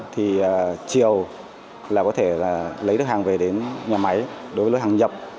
thì chiều là có thể lấy được hàng về đến nhà máy đối với lô hàng nhập